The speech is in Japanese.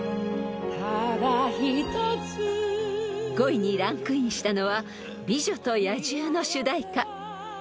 ［５位にランクインしたのは『美女と野獣』の主題歌］